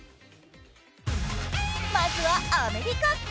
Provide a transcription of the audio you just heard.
まずはアメリカ！